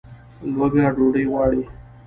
لوږه ډوډۍ غواړي